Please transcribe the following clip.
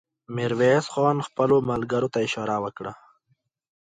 ميرويس خان خپلو ملګرو ته اشاره وکړه.